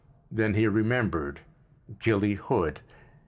Then he remembered—Gilly Hood.